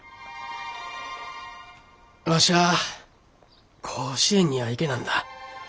わしゃあ甲子園には行けなんだ。